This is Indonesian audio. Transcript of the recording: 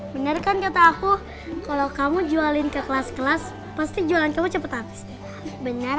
bener kan kata aku kalau kamu jualin ke kelas kelas pasti jualan cepet cepet bener